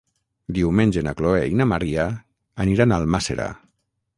Diumenge na Chloé i na Maria aniran a Almàssera.